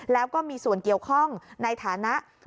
แล้วก็มีส่วนเกี่ยวข้องในฐานะผู้จับกลุ่ม